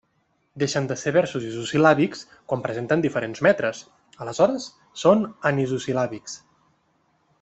Deixen de ser versos isosil·làbics quan presenten diferents metres, aleshores són anisosil·làbics.